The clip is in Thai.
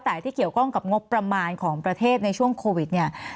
แต่ที่เกี่ยวข้องกับงบประมาณของประเทศในช่วงโควิดเนี่ย